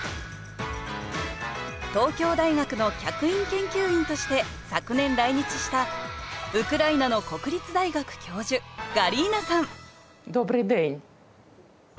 東京大学の客員研究員として昨年来日したウクライナの国立大学教授ガリーナさん